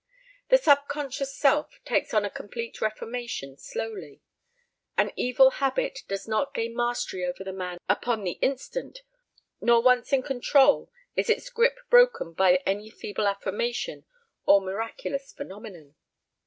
The sub conscious self takes on a complete reformation slowly. An evil habit does not gain mastery over the man upon the instant nor once in control is its grip broken by any feeble affirmation or miraculous phenomenon.